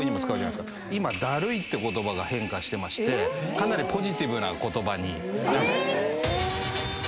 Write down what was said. かなりポジティブな言葉に。